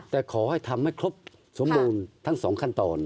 แต่ขอให้ทำให้ครบสมบูรณ์ทั้ง๒ขั้นตอน